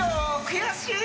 悔しい！